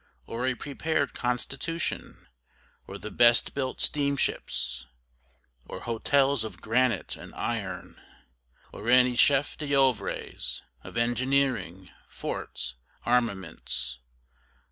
or a prepared constitution? or the best built steamships? Or hotels of granite and iron? or any chef d'oeuvres of engineering, forts, armaments?